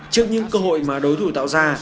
trước những cơ hội mà đối thủ tạo ra